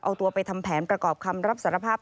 เอาตัวไปทำแผนประกอบคำรับสารภาพ